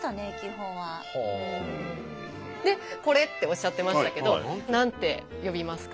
「これ」っておっしゃってましたけど何て呼びますか？